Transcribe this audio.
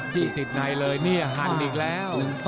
จี้ติดในเลยเนี่ยหันอีกแล้ว